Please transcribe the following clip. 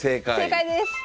正解です！